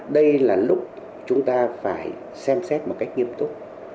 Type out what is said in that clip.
đây là lúc chúng ta phải xem xét một cách nghiêm túc